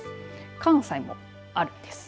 関西もあるんです。